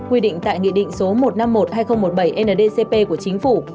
quy định tại nghị định số một trăm năm mươi một hai nghìn một mươi bảy ndcp của chính phủ